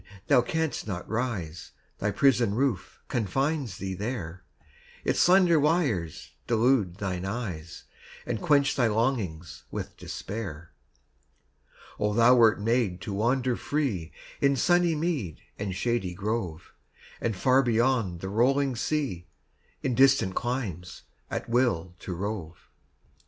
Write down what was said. Thou canst not rise: Thy prison roof confines thee there; Its slender wires delude thine eyes, And quench thy longings with despair. Oh, thou wert made to wander free In sunny mead and shady grove, And far beyond the rolling sea, In distant climes, at will to rove!